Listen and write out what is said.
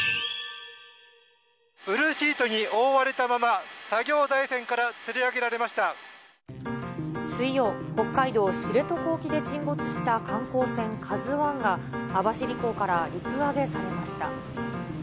ブルーシートに覆われたまま、水曜、北海道知床沖で沈没した観光船ＫＡＺＵＩが、網走港から陸揚げされました。